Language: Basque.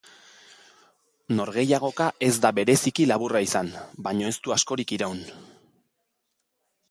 Norgehiagoka ez da bereziki laburra izan, baina ez du askorik iraun.